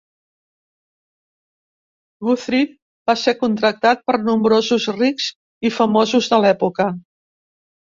Guthrie va ser contractat per nombrosos rics i famosos de l'època.